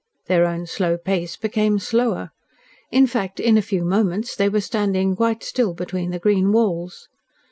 Their own slow pace became slower. In fact, in a few moments, they were standing quite still between the green walls.